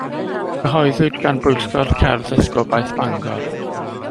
Cyhoeddwyd gan Bwyllgor Cerdd Esgobaeth Bangor.